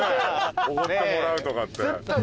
おごってもらうとかって。